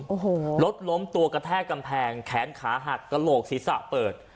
โอ้โหรถล้มตัวกระแทกกำแพงแขนขาหักกระโหลกศีรษะเปิด